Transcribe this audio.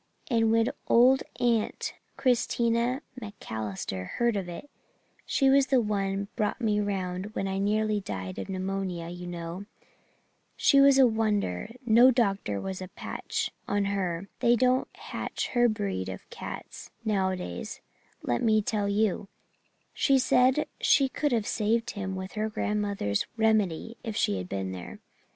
And when old Aunt Christina MacAllister heard of it she was the one brought me round when I nearly died of pneumonia you know she was a wonder no doctor was a patch on her they don't hatch her breed of cats nowadays, let me tell you she said she could have saved him with her grandmother's remedy if she'd been there.